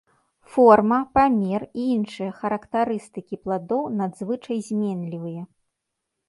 Форма, памер і іншыя характарыстыкі пладоў надзвычай зменлівыя.